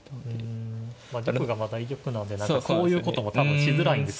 玉が大丈夫なんでこういうことも多分しづらいんですよね。